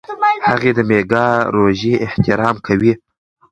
هغې د میکا روژې احترام کوي.